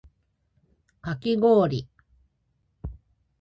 かきごおり